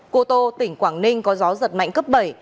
cô tô tỉnh quảng ninh có gió giật mạnh cấp bảy